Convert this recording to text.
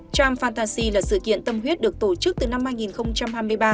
tram fantasy là sự kiện tâm huyết được tổ chức từ năm hai nghìn hai mươi ba